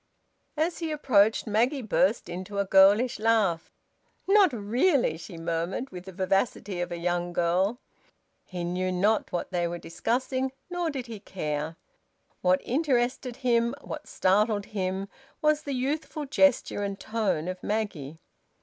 As he approached, Maggie burst into a girlish laugh. "Not really?" she murmured, with the vivacity of a young girl. He knew not what they were discussing, nor did he care. What interested him, what startled him, was the youthful gesture and tone of Maggie.